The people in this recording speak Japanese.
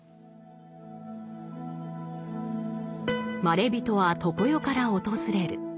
まれびとは常世から訪れる。